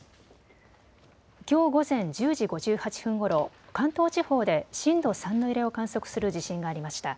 きょう午前１０時５８分ごろ関東地方で震度３の揺れを観測する地震がありました。